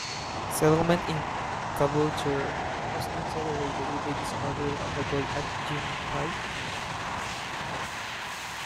Settlement in Caboolture was accelerated with the discovery of gold at Gympie.